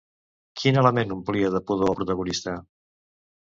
Quin element omplia de pudor al protagonista?